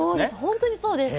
本当にそうです。